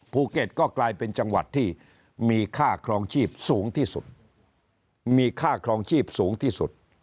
ภูเก็ตก็กลายเป็นจังหวัดที่มีค่าครองชีพสูงที่สุดมีค่าครองชีพสูงที่สุด